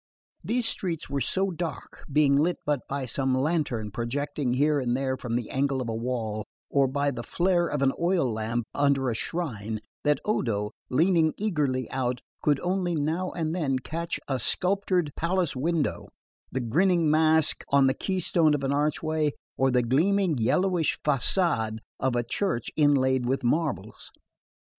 These streets were so dark, being lit but by some lantern projecting here and there from the angle of a wall, or by the flare of an oil lamp under a shrine, that Odo, leaning eagerly out, could only now and then catch a sculptured palace window, the grinning mask on the keystone of an archway, or the gleaming yellowish facade of a church inlaid with marbles.